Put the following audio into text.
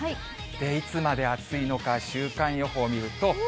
いつまで暑いのか、週間予報見ると。